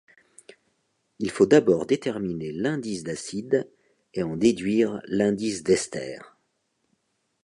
Il faut d'abord déterminer l'indice d'acide et en déduire l'indice d'ester.